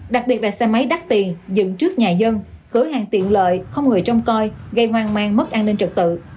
đặc biệt là xe máy đắt tiền dựng trước nhà dân cửa hàng tiện lợi không người trông coi gây hoang mang mất an ninh trật tự